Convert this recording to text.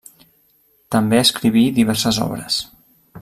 També escriví diverses obres.